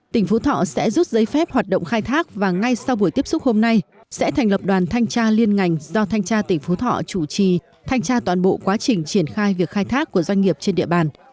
tỉnh phú thọ sẽ rút giấy phép hoạt động khai thác và ngay sau buổi tiếp xúc hôm nay sẽ thành lập đoàn thanh tra liên ngành do thanh tra tỉnh phú thọ chủ trì thanh tra toàn bộ quá trình triển khai việc khai thác của doanh nghiệp trên địa bàn